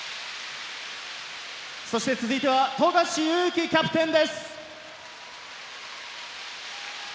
続いては富樫勇樹キャプテンです。